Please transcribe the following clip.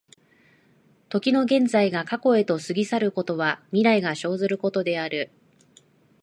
時の現在が過去へと過ぎ去ることは、未来が生ずることである。